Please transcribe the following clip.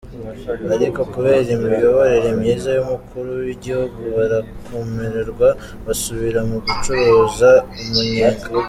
Ariko kubera imiyoborere myiza y’umukuru w’Igihugu, barakomorerwa basubira mu gucuruza umunyenga.